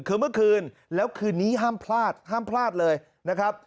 คือเมื่อคืนแล้วคืนนี้ห้ามพลาดห้ามพลาดเลยนะครับ